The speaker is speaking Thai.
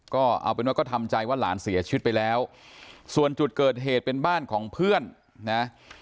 ก็เอาเป็นว่าก็ทำใจว่าหลานเสียชีวิตไปแล้วส่วนจุดเกิดเหตุเป็นบ้านของเพื่อนนะ